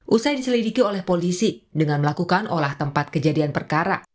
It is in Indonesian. usai diselidiki oleh polisi dengan melakukan olah tempat kejadian perkara